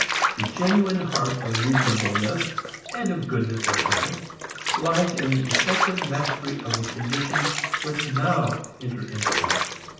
The genuine heart of reasonableness (and of goodness in conduct) lies in effective mastery of the conditions which now enter into action.